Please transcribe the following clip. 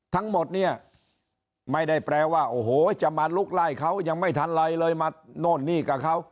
ทั้งหมดเนี่ยไม่ได้แปลว่าโอ้โหจะมาลุกไล่เขายังไม่ทันไรเลยมาโน่นนี่กับเขา